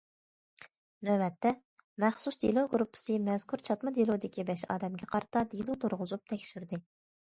نۆۋەتتە، مەخسۇس دېلو گۇرۇپپىسى مەزكۇر چاتما دېلودىكى بەش ئادەمگە قارىتا دېلو تۇرغۇزۇپ تەكشۈردى.